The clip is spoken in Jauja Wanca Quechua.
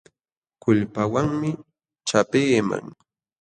Kulpawanmi chapiiman.